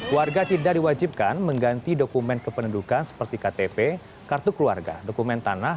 warga tidak diwajibkan mengganti dokumen kependudukan seperti ktp kartu keluarga dokumen tanah